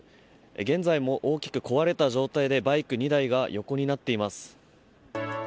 現在も大きく壊れた状態でバイク２台が横になっています。